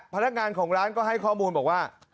พนักงานของร้านก็ให้ข้อมูลบอกว่า